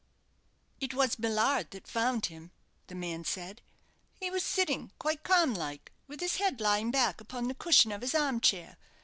"It was Millard that found him," the man said. "He was sitting, quite calm like, with his head lying back upon the cushion of his arm chair.